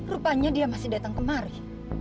rupanya dia masih datang kemari